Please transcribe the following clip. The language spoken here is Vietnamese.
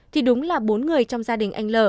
thì đúng là bốn người trong gia đình anh l